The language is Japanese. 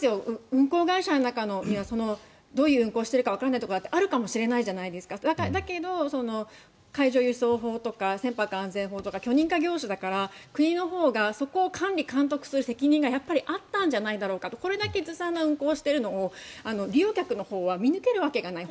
運航会社の中にはどういう運航しているかわからないところだってあるかもしれないじゃないですかだけど、海上輸送法とか船舶安全法とか許認可業種だから国のほうがそこを管理、監督する責任がやっぱりあったんじゃないだろうかこれだけずさんな運航をしているのを利用客のほうは見抜けるわけがない。